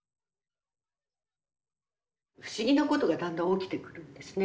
不思議なことがだんだん起きてくるんですね。